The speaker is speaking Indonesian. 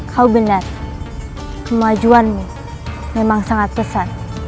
kau benar kemajuanmu memang sangat pesan